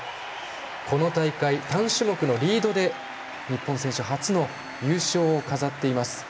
この大会、単種目のリードで日本選手初の優勝を飾っています。